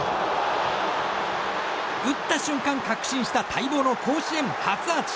打った瞬間、確信した待望の甲子園初アーチ。